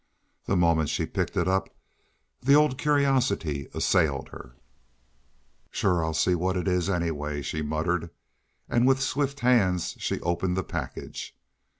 The moment she picked it up the old curiosity assailed her. "Shore I'll see what it is, anyway," she muttered, and with swift hands she opened the package.